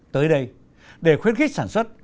tới đây để khuyến khích sản xuất